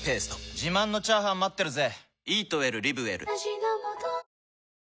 自慢のチャーハン待ってるぜ！